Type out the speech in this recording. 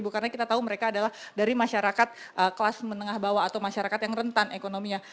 karena kita tahu mereka adalah dari masyarakat kelas menengah bawah atau masyarakat yang rentan ekonominya